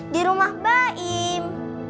di rumah baim